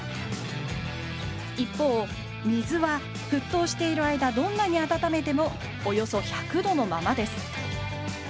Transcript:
一方水は沸騰している間どんなに温めてもおよそ１００度のままです。